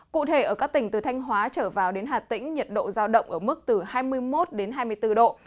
cụ thể ở các tỉnh từ thanh hóa trở vào đến hà tĩnh nhiệt độ giao động ở mức từ hai mươi một đến hai mươi bốn độ